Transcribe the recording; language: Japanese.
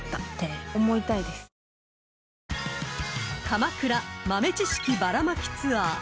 ［鎌倉豆知識バラまきツアー］